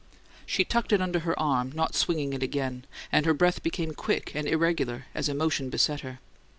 She tucked it under her arm, not swinging it again; and her breath became quick and irregular as emotion beset her.